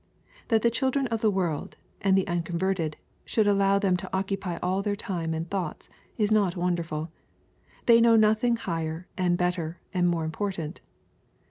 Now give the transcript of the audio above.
That the children of the world, and the unconverted, should allow them to occupy all their time and thoughts is not wonderful. They know nothing higher, and better, and more important.